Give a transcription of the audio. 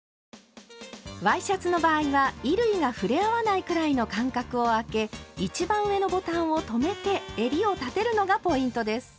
ワイシャツの場合は衣類が触れ合わないくらいの間隔をあけ一番上のボタンを留めて襟を立てるのがポイントです。